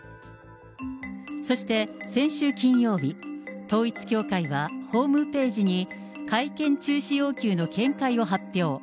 そして先週金曜日、統一教会はホームページに、会見中止要求の見解を発表。